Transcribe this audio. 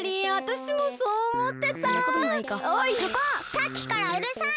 さっきからうるさい！